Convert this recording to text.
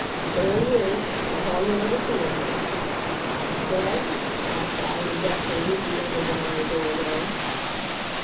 "There he is. That's all you'll ever see of him." "Dead?" asked I, regretfully, as we entered the narrow doorway.